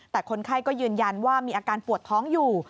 แต่คนไข้ก็ยืนยันว่ามีอาการปวดท้องอยู่